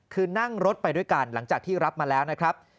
คือนั่งรถไปด้วยกันหลังจากที่รับมาแล้วนะครับ